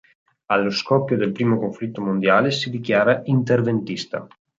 Allo scoppio del primo conflitto mondiale si dichiara interventista.